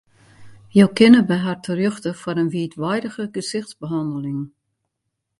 Jo kinne by har terjochte foar in wiidweidige gesichtsbehanneling.